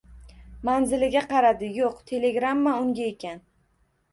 Manziliga qaradi: yoʻq, telegramma unga ekan.